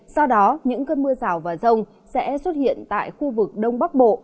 do đó những cơn mưa rào và rông sẽ xuất hiện tại khu vực đông bắc bộ